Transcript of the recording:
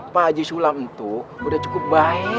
pak haji sulam tuh udah cukup baik